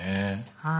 はい。